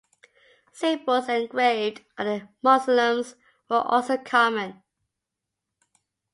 Symbols engraved on the mausoleums were also common.